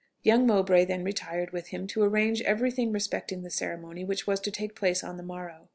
Young Mowbray then retired with him to arrange everything respecting the ceremony which was to take place on the morrow.